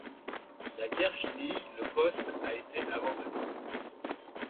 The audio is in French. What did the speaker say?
La guerre finie, le poste a été abandonné.